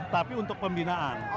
tapi untuk pembinaan